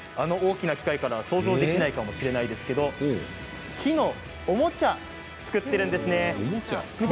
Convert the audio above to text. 大きな機械から想像できないかもしれないんですけれど木のおもちゃを作っているんです。